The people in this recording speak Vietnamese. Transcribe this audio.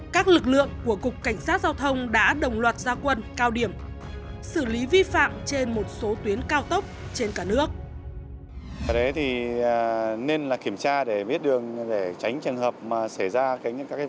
các lực lượng của cục cảnh sát giao thông đã đồng loạt gia quân cao điểm xử lý vi phạm trên một số tuyến cao tốc trên cả nước